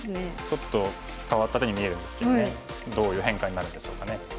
ちょっと変わった手に見えるんですけどねどういう変化になるんでしょうかね。